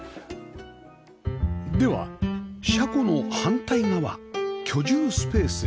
では車庫の反対側居住スペースへ